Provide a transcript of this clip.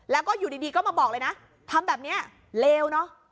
แล้วก็อยู่ดีก็มาบอกเลยนะทำแบบนี้เลวเนอะ